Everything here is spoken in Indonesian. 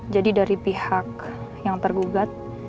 jadi dari pihak yang tergugat